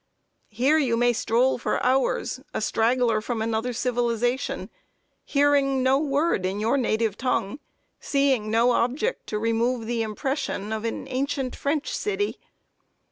Here you may stroll for hours, "a straggler from another civilization," hearing no word in your native tongue, seeing no object to remove the impression of an ancient French city.